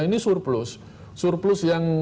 ini surplus surplus yang